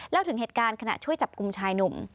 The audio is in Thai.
เล่าถึงเหตุการณ์ขณะช่วยจับกลุ่มชายหนุ่ม